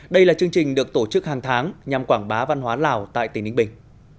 đây là chương trình được tổ chức hàng tháng nhằm quảng bá văn hóa lào tại tỉnh ninh bình